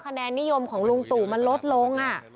คะแนนนิยมของลุงตู่มันลดลง